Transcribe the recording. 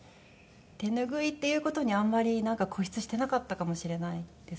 手拭いっていう事にあんまり固執してなかったかもしれないですね。